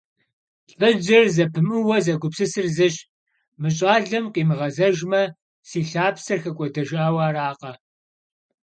ЛӀыжьыр зэпымыууэ зэгупсысыр зыщ: «Мы щӀалэм къимыгъэзэжмэ, си лъапсэр хэкӀуэдэжауэ аракъэ?».